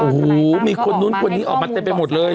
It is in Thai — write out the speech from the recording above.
โอ้โหมีคนนู้นคนนี้ออกมาเต็มไปหมดเลย